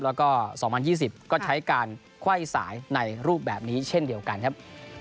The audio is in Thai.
แล้วก็๒๐๒๐ก็ใช้การไขว้สายในรูปแบบนี้เช่นเดียวกันครับ